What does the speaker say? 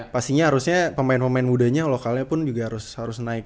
pastinya harusnya pemain pemain mudanya lokalnya pun juga harus naik